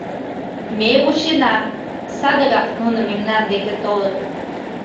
Ме вучена, садыгак нуно мемнан деке толыт.